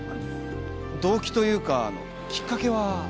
動機というかきっかけは？